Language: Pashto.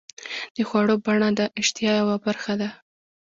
د خوړو بڼه د اشتها یوه برخه ده.